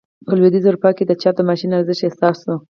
په لوېدیځه اروپا کې د چاپ د ماشین ارزښت احساس شو.